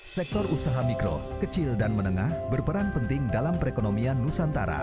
sektor usaha mikro kecil dan menengah berperan penting dalam perekonomian nusantara